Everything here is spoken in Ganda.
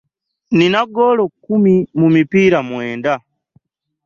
Nina ggoolo kumi mu mipiira mwenda.